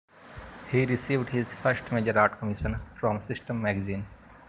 He received his first major art commission from "System" magazine.